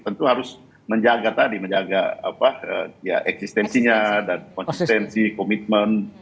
tentu harus menjaga tadi menjaga eksistensinya dan konsistensi komitmen